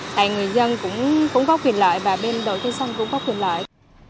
tại người dân cũng có quyền lợi và bên đội cây xanh cũng có quyền lợi